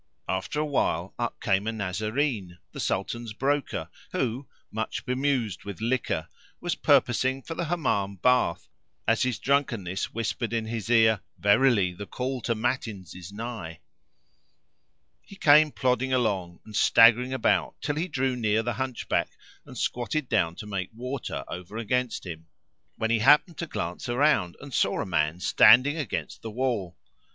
After a while up came a Nazarene,[FN#503] the Sultan's broker who, much bemused with liquor, was purposing for the Hammam bath as his drunkenness whispered in his ear, "Verily the call to matins[FN#504] is nigh." He came plodding along and staggering about till he drew near the Hunchback and squatted down to make water[FN#505] over against him; when he happened to glance around and saw a man standing against the wall.